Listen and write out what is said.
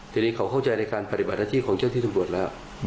ทีนี้เขาเข้าใจในการปฎิบาตลาที่ของเจ้าที่สมบวชแล้ว